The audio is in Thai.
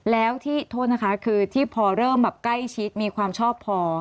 แล้วที่โทษนะคะคือที่พอเริ่มแบบใกล้ชิดมีความชอบพอ